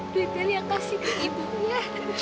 duitnya kasih ke ibunya